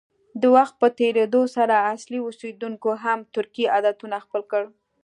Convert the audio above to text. د وخت په تېرېدو سره اصلي اوسیدونکو هم ترکي عادتونه خپل کړل.